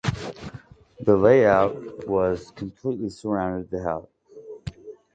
The layout would completely surround the house.